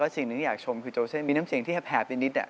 สิ่งที่อยากชมคือโจเซมีน้ำเสียงที่แภบ